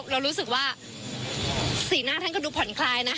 เรารู้สึกว่าสีหน้าท่านก็ดูผ่อนคลายนะ